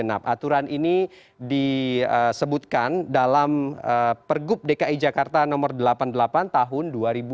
aturan ini disebutkan dalam pergub dki jakarta no delapan puluh delapan tahun dua ribu dua puluh